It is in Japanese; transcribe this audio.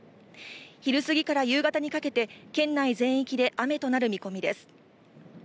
昼すぎから夕方にかけて県内全域に雨となる見込みです。